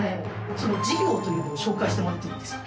その事業というのを紹介してもらっていいですか？